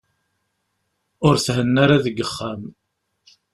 Ur thenna ara deg uxxam.